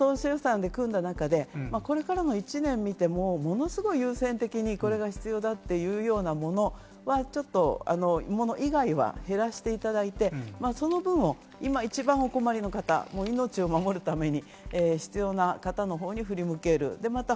当初予算で組んだ中で、これからの１年を見ても、ものすごく優先的にこれが必要だというようなもの、そのもの以外は、その分を一番お困りの方、命を守るために必要な方のほうに振り向ける。